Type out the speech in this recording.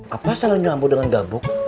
apa salah nyambut dengan gapuk